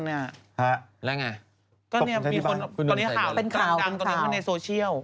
ตกคนใช้ที่บ้านตอนนี้ข่าวต่างตอนนี้เข้าในโซเชียล